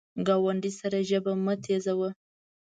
ګاونډي سره ژبه مه تیزوه